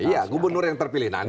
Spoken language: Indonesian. iya gubernur yang terpilih nanti